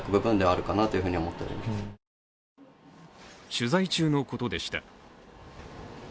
取材中のことでした。